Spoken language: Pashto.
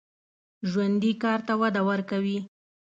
ژوندي کار ته وده ورکوي